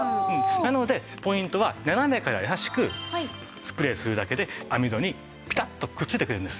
なのでポイントは斜めから優しくスプレーするだけで網戸にピタッとくっ付いてくれるんです。